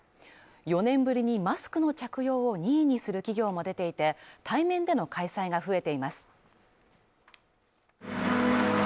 ４年ぶりにマスクの着用を任意にする企業も出ていて、対面での開催が増えています。